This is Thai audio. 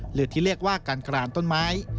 หรือที่เรียกว่าการกรานต้นไม้